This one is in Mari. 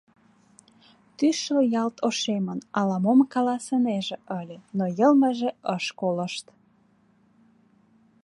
Тӱсшӧ ялт ошемын, ала-мом каласынеже ыле, но йылмыже ыш колышт.